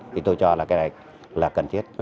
thì tôi cho là cái này là cần thiết